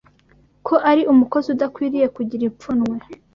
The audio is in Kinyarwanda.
ko ari “umukozi udakwiriye kugira ipfunwe